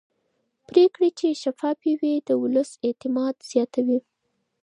پرېکړې چې شفافې وي د ولس اعتماد زیاتوي